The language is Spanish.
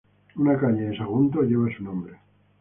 Una calle en Sagunto lleva su nombre.